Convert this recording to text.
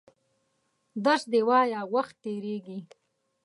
درس دي وایه وخت تېرېږي!